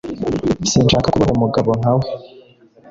Sinshaka kubaha umugabo nka we.